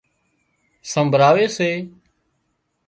سمڀراوي سي